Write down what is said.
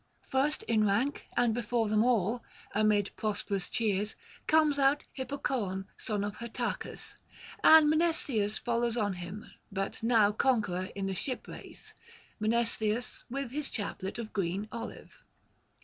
First in rank, and before them all, amid prosperous cheers, comes out Hippocoön son of Hyrtacus; and Mnestheus follows on him, but now conqueror in the ship race, Mnestheus with his chaplet of green olive.